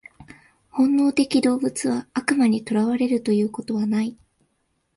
本能的動物は悪魔に囚われるということはない。